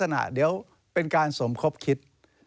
นี่นี่นี่